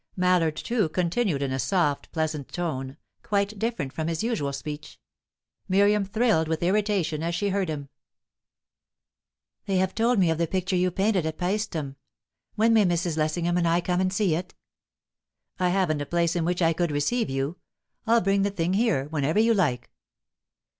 Mallard, too, continued in a soft, pleasant tone, quite different from his usual speech; Miriam thrilled with irritation as she heard him. "They have told me of the picture you painted at Paestum. When may Mrs. Lessingham and I come and see it?" "I haven't a place in which I could receive you. I'll bring the thing here, whenever you like."